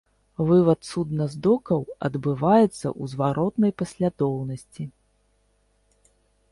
Вывад судна з докаў адбываецца ў зваротнай паслядоўнасці.